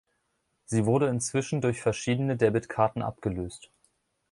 Sie wurde inzwischen durch verschiedene Debitkarten abgelöst.